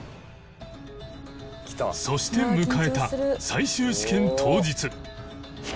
そして迎えた最終試験当日